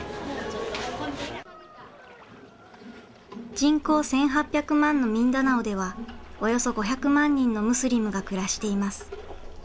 人口１，８００万のミンダナオではおよそ５００万人のムスリムが暮らしています。